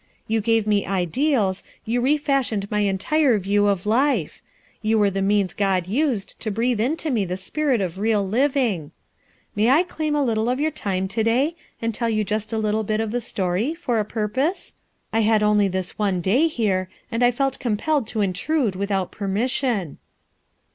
You gave me ideals, you re* fashioned my entire view of life; you were the means God used to breathe into me the spirit of real living. May I claim a little of your time to day, and toll you just a little bit of the story, for a purpose? I had only this one day here, 192 RUTH ERSKIXE'3 SON and I felt compelled to intrude without per mission."